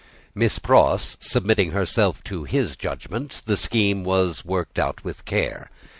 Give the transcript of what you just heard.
Miss Pross, submitting herself to his judgment, the scheme was worked out with care.